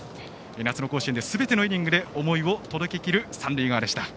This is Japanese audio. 夏の甲子園、すべてのイニングで思いを届けきる三塁側でした。